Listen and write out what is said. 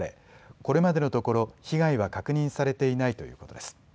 これまでのところ被害は確認されていないということです。